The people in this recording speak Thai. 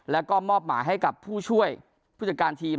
แล้วก็มอบหมายให้กับผู้ช่วยผู้จัดการทีม